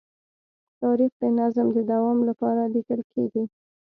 تاریخ د نظم د دوام لپاره لیکل کېږي.